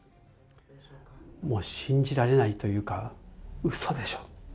もう信じられないというか、うそでしょって。